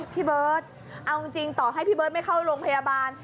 พี่เบิร์ตเอาจริงต่อให้พี่เบิร์ตไม่เข้าโรงพยาบาล